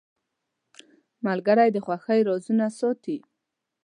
ملګری د خوښۍ رازونه ساتي.